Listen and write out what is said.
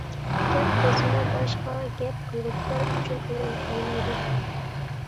گەپ قىلسىمۇ باشقا گەپ قىلغۇچىلار ئۈچۈن ئورۇن قالمايدۇ.